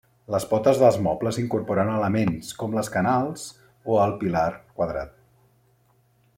Les potes dels mobles incorporen elements com les canals o el pilar quadrat.